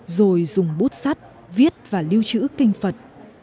rồi dùng bút sắt viết và lưu trữ kinh phật